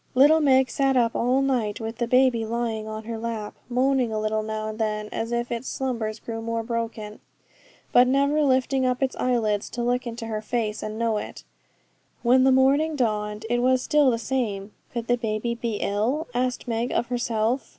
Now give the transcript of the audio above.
Little Meg sat up all night, with the baby lying on her lap, moaning a little now and then as its slumbers grew more broken, but never lifting up its eyelids to look into her face and know it. When the morning dawned it was still the same. Could the baby be ill? asked Meg of herself.